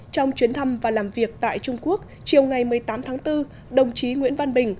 trong chuyến thăm và làm việc tại trung quốc chiều ngày một mươi tám tháng bốn đồng chí nguyễn văn bình